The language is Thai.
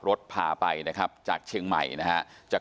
รถพาไปนะครับจากเชียงใหม่นะฮะจาก